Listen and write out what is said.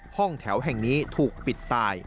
ห้องแถวแห่งนี้ถูกปิดตาย